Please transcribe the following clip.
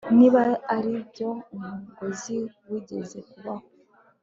Niba aribyo umusozi wigeze kubaho